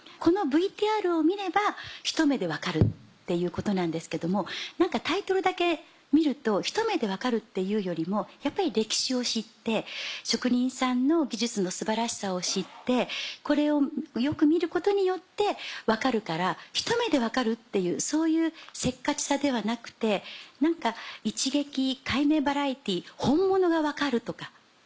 「このＶＴＲを見ればひと目でわかる」っていうことなんですけどもタイトルだけ見ると「ひと目でわかる」っていうよりもやっぱり歴史を知って職人さんの技術の素晴らしさを知ってこれをよく見ることによって分かるから「ひと目でわかる」っていうそういうせっかちさではなくて何か「一撃解明バラエティ本物がわかる」とか